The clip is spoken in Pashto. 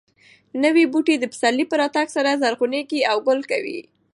نوي بوټي د پسرلي په راتګ سره زرغونېږي او ګل کوي.